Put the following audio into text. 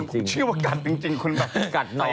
นี่คุณพูดชื่อว่ากัดจริงคุณแบบกัดน้อง